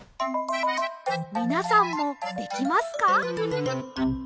みなさんもできますか？